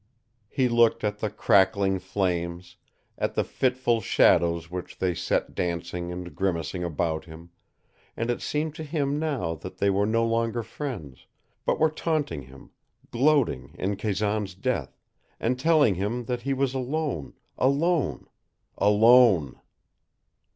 He looked at the crackling flames, at the fitful shadows which they set dancing and grimacing about him, and it seemed to him now that they were no longer friends, but were taunting him gloating in Kazan's death, and telling him that he was alone, alone, alone.